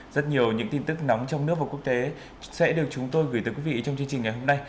rất nhiều những tin tức nóng trong nước và quốc tế sẽ được chúng tôi gửi tới quý vị trong chương trình ngày hôm nay